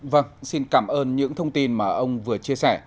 vâng xin cảm ơn những thông tin mà ông vừa chia sẻ